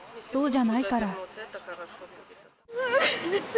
そうじゃないから。